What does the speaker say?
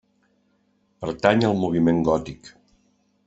Pertany al moviment gòtic.